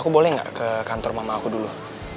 aku boleh nggak ke kantor mama aku dulu